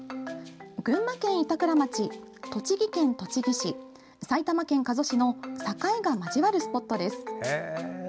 群馬県板倉町、栃木県栃木市埼玉県加須市の境が交わるスポットです。